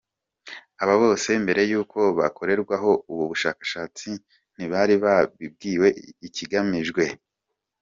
Aba bose, mbere y’uko bakorerwaho ubu bushakashatsi ntibari babwiwe ikigamijwe.